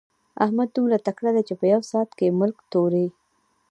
احمد دومره تکړه دی چې په يوه ساعت کې ملک توري.